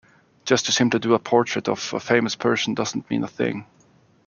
Just to simply do a portrait of a famous person doesn't mean a thing.